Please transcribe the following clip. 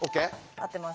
合ってます。